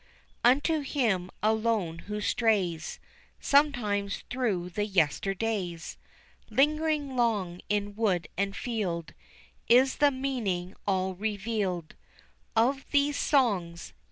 UNTO him alone who strays Sometimes through the yesterdays, Lingering long in wood and field, Is the meaning all revealed Of these songs.